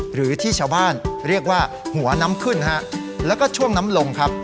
หรือที่ชาวบ้านเรียกว่าหัวน้ำขึ้นฮะแล้วก็ช่วงน้ำลงครับ